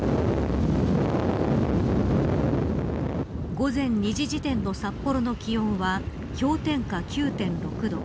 午前２時時点の札幌の気温は氷点下９．６度。